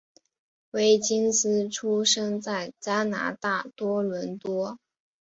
威金斯出生在加拿大多伦多。